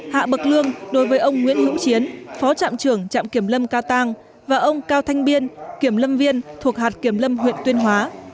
hạ bậc lương đối với ông nguyễn hữu chiến phó trạm trưởng trạm kiểm lâm ca tăng và ông cao thanh biên kiểm lâm viên thuộc hạt kiểm lâm huyện tuyên hóa